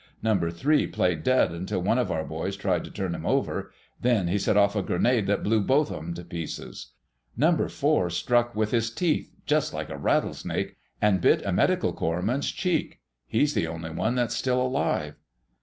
Number Three played dead until one of our boys tried to turn him over. Then he set off a grenade that blew both of 'em to pieces. Number Four struck with his teeth—just like a rattlesnake—and bit a medical corps man's cheek. He's the only one that's still alive."